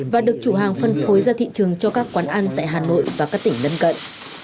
và được chủ hàng phân phối ra thị trường cho các quán ăn tại hà nội và các tỉnh lân cận